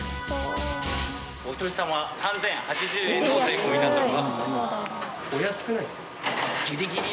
お一人様３０８０円のご提供になっております。